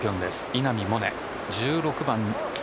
稲見萌寧、１６番。